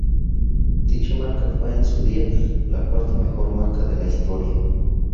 Dicha marca fue en su día la cuarta mejor marca de la historia.